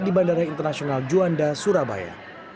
di bandara internasional juanda surabaya